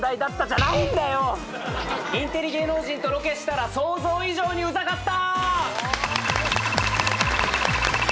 「インテリ芸能人とロケしたら想像以上にウザかった」。